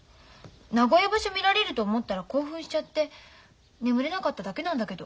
名古屋場所見られると思ったら興奮しちゃって眠れなかっただけなんだけど。